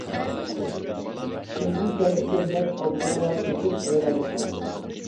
كىمدىن كەلدىكىن دەپ ئالدىراپ ئىچىپ ھەيرانلا قالدىم.